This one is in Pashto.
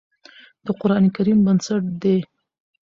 د قرآن کريم بنسټ دی